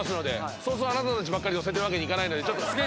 そうそうあなたたちばっかり乗せてるわけにはいかないので。